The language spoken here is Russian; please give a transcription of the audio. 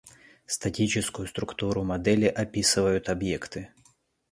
Статическую структуру модели описывают объекты